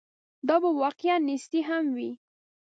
دا به واقعاً نیستي هم وي.